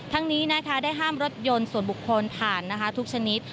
ทั้งนี้นะคะได้ห้ามรถยนต์ส่วนบุคคลผ่านทุกชนิด